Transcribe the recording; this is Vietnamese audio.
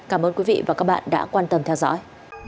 cảm ơn quý vị và các bạn đã quan tâm theo dõi